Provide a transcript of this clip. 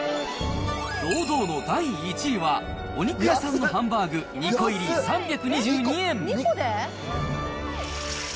堂々の第１位は、お肉屋さんのハンバーグ２個入り３２２円。